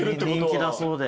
人気だそうで。